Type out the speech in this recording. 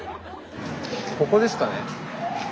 ここですかね？